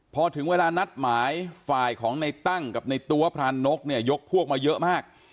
พอถึงเวลานัดหมายฝ่ายของในตั้งกับในตัวพรานนกเนี่ยยกพวกมาเยอะมาก